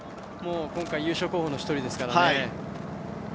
今回、優勝候補の一人ですからね。